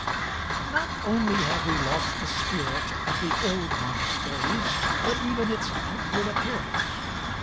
Not only have we lost the spirit of the old monasteries, but even its outward appearance.